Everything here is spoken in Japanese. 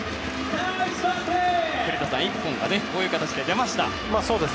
古田さん、１本がこういう形で出ました。